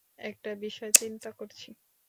একটা বিষয় চিন্তা করছি।